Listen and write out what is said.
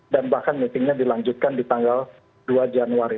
dan bahkan meetingnya dilanjutkan di tanggal dua januari